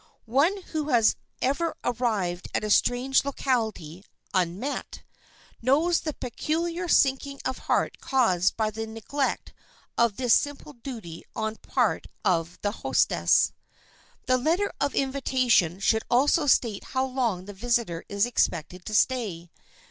One who has ever arrived at a strange locality, "unmet," knows the peculiar sinking of heart caused by the neglect of this simple duty on the part of the hostess. The letter of invitation should also state how long the visitor is expected to stay.